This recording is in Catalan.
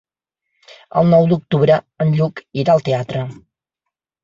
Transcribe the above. El nou d'octubre en Lluc irà al teatre.